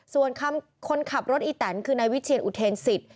ส่วนคำคนขับรถอีแตนคือนายวิเชียนอุเทนสิทธ